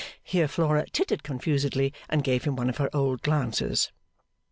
Here Flora tittered confusedly, and gave him one of her old glances.